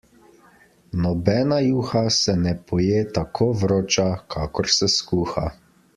Nobena juha se ne poje tako vroča, kakor se skuha.